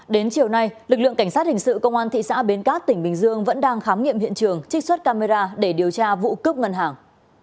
đến chiều nay lực lượng cảnh sát hình sự công an thị xã bến cát tỉnh bình dương vẫn đang khám nghiệm hiện trường trích xuất camera để điều tra vụ cướp ngân hàng